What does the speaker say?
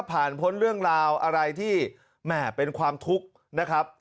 พ้นเรื่องราวอะไรที่แหม่เป็นความทุกข์นะครับ